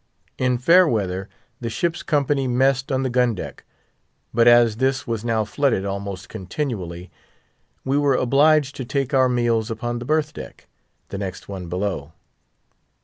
In fair weather, the ship's company messed on the gun deck; but as this was now flooded almost continually, we were obliged to take our meals upon the berth deck, the next one below.